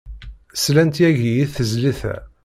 Slant yagi i tezlit-a.